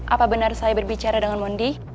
apa benar saya berbicara dengan mondi